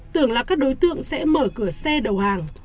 tưởng là các đối tượng sẽ mở cửa xe đầu hàng